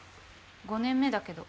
５年目だけど。